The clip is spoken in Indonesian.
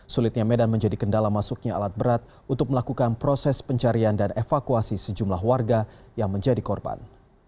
sulitnya medan menjadi kendala masuknya alat berat untuk melakukan proses pencarian dan evakuasi sejumlah warga yang menjadi korban